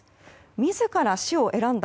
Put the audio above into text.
自ら死を選んだ。